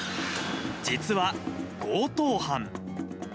実は強盗犯。